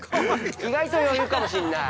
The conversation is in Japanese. ◆意外と余裕かもしんない。